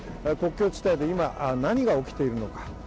国境地帯で今何が起きているのか。